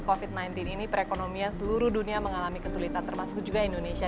covid sembilan belas ini perekonomian seluruh dunia mengalami kesulitan termasuk juga indonesia